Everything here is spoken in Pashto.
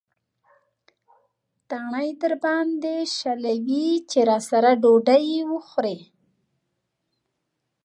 تڼۍ درباندې شلوي چې راسره ډوډۍ وخورې.